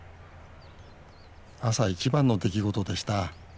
朝一番の出来事でした。